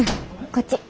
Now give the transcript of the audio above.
こっち。